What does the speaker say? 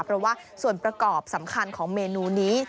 เพราะว่าส่วนประกอบสำคัญของเมนูนี้